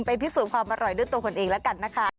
พิสูจน์ความอร่อยด้วยตัวคนเองแล้วกันนะคะ